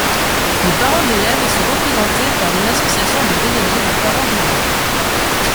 Les parents d'élèves sont représentés par une association de délégués de parents d'élèves.